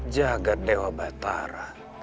jagad dewa batara